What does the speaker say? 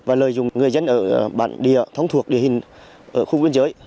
và lợi dụng người dân ở bản địa thống thuộc địa hình ở khu biên giới